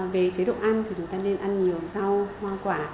về chế độ ăn thì chúng ta nên ăn nhiều rau hoa quả